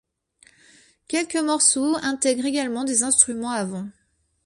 Quelques morceaux intègrent également des instruments à vent.